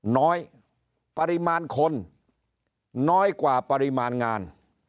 น้อยปริมาณคนน้อยกว่าปริมาณงาน